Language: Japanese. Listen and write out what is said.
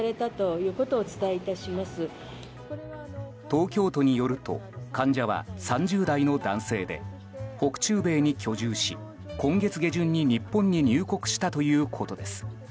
東京都によると患者は３０代の男性で北中米に居住し今月下旬に日本に入国したということです。